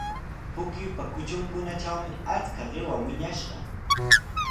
Pukyupa kutrunkunatrawmi achka qiwa wiñashqa.